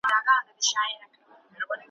ملنګه جهاني د پاچاهانو دښمني ده ,